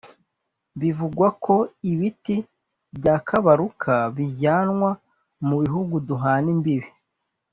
Bivugwa ko ibiti bya Kabaruka bijyanwa mu bihugu duhana imbibi